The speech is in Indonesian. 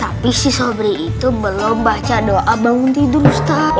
tapi si sobri itu belum baca doa bangun tidur ustaz